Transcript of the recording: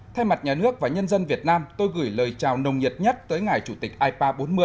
thay mặt nhà nước và nhân dân việt nam tôi gửi lời chào nồng nhiệt nhất tới ngài chủ tịch ipa bốn mươi